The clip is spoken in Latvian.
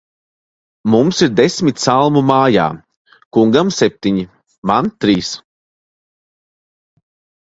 Mums ir desmit salmu mājā; kungam septiņi, man trīs.